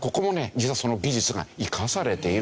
実はその技術が生かされている。